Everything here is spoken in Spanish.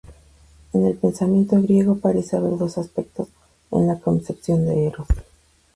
En el pensamiento griego parece haber dos aspectos en la concepción de Eros.